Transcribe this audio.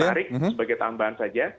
menarik sebagai tambahan saja